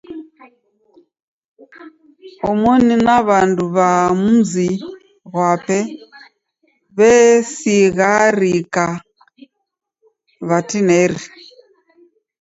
Omoni na w'andu w'a mzi ghwape w'esigharika w'atineri.